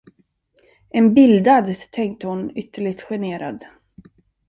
En bildad, tänkte hon ytterligt generad.